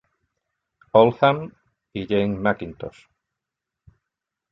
Oldham, y Jane Macintosh.